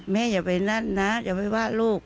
อย่าไปนั่นนะอย่าไปว่าลูก